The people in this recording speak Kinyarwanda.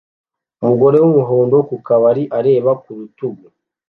Umugore wumuhondo ku kabari areba ku rutugu